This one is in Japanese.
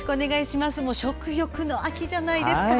食欲の秋じゃないですか。